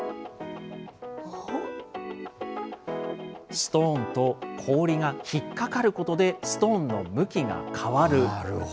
ストーンと氷が引っ掛かることで、ストーンの向きが変わる。